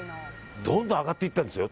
どんどん上がっていったんですよ